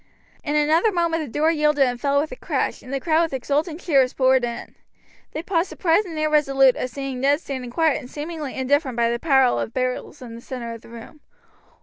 In another moment the door yielded and fell with a crash, and the crowd with exultant cheers poured in. They paused surprised and irresolute at seeing Ned standing quiet and seemingly indifferent by the pile of barrels in the center of the room.